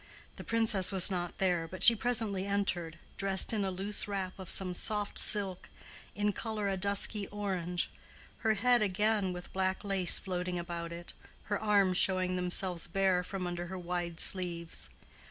The Princess was not there, but she presently entered, dressed in a loose wrap of some soft silk, in color a dusky orange, her head again with black lace floating about it, her arms showing themselves bare from under her wide sleeves.